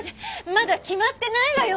まだ決まってないわよ